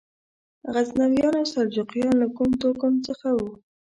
غزنویان او سلجوقیان له کوم توکم څخه وو؟